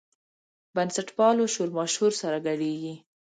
بنسټپالو شورماشور سره ګډېږي.